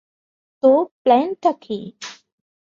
তো, প্ল্যানটা কী?